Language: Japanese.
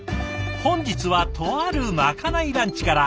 本日はとあるまかないランチから。